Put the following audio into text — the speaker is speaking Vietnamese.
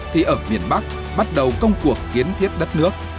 thì ở miền bắc bắt đầu công cuộc kiến thiết đất nước